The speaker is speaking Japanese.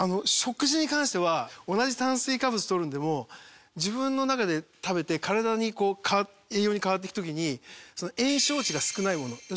食事に関しては同じ炭水化物とるのでも自分の中で食べて体に栄養に変わっていく時に炎症値が少ないもの。